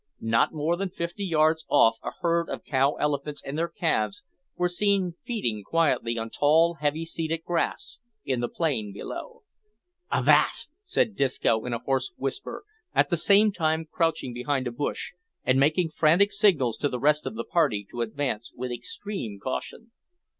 Not more than fifty yards off a herd of cow elephants and their calves were seen feeding quietly on tall heavy seeded grass in the plain below. "Avast!" said Disco, in a hoarse whisper, at the same time crouching behind a bush, and making frantic signals to the rest of the party to advance with extreme caution.